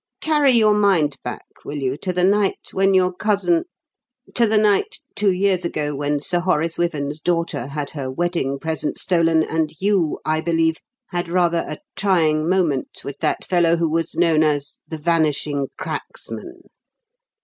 Carry your mind back, will you, to the night when your cousin to the night two years ago when Sir Horace Wyvern's daughter had her wedding presents stolen and you, I believe, had rather a trying moment with that fellow who was known as 'The Vanishing Cracksman.'